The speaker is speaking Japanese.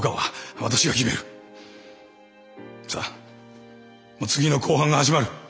さあもう次の公判が始まる。